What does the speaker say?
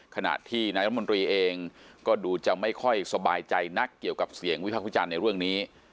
ขณะที่นายรัฐมนตรีเองก็ดูจะไม่ค่อยสบายใจนักเกี่ยวกับเสียงวิพากษ์วิจารณ์ในเรื่องนี้